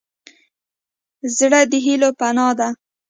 زړه د هيلو پناه ده.